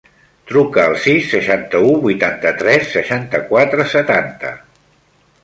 Truca al sis, seixanta-u, vuitanta-tres, seixanta-quatre, setanta.